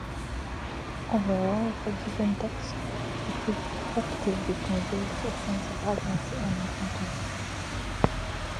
Overall, the given text effectively conveys a sense of urgency and importance.